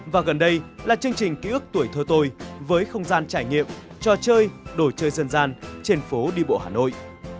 và gần đây là chương trình kỷ ước tuổi thơ tôi với không gian trải nghiệm trò chơi đổi chơi dân gian trên phố đi bộ hà nội